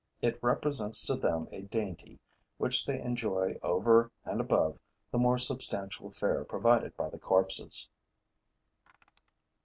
It represents to them a dainty which they enjoy over and above the more substantial fare provided by the corpses.